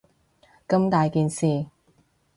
咁大件事